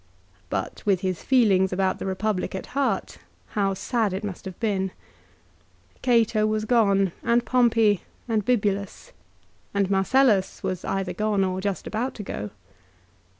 But with his feelings about the Republic at heart, how sad it must have been ! Cato was gone, and Pompey, and Bibulus ; and Marcellus was either gone or just about to go.